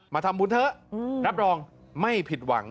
มาทำบุญเถอะรับรองไม่ผิดหวัง